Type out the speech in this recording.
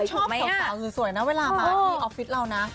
สิ่งชอบของสาวสุดสวยเนอะเวลามาที่ออฟฟิศเราน้ะครับ